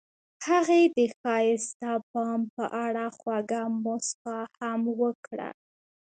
هغې د ښایسته بام په اړه خوږه موسکا هم وکړه.